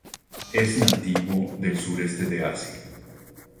Es nativo del sureste de Asia.